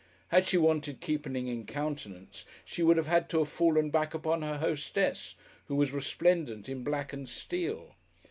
Had she wanted keeping in countenance, she would have had to have fallen back upon her hostess, who was resplendent in black and steel.